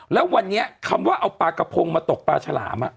แล้ววันนี้คำว่าเอาปลากระพงมาตกปลาฉลาม